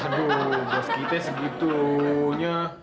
aduh bos gita segitunya